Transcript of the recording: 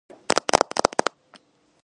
ქალაქში არის რამდენიმე ჩანჩქერი.